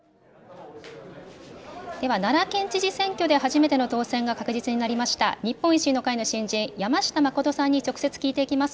では、奈良県知事選挙で初めての当選が確実になりました、日本維新の会の新人、山下真さんに直接聞いていきます。